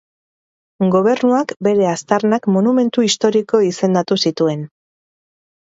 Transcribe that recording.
Gobernuak bere aztarnak monumentu historiko izendatu zituen.